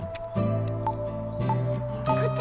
こっち！